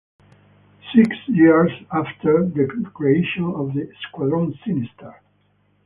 Six years after the creation of the Squadron Sinister.